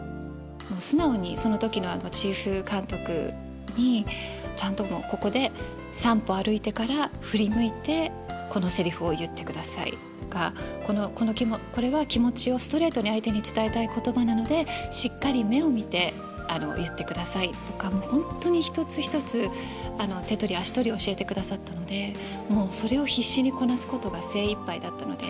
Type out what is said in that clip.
もう素直にその時のチーフ監督にちゃんともう「ここで３歩歩いてから振り向いてこのセリフを言ってください」とか「これは気持ちをストレートに相手に伝えたい言葉なのでしっかり目を見て言ってください」とかもう本当に一つ一つ手取り足取り教えてくださったのでもうそれを必死にこなすことが精いっぱいだったので。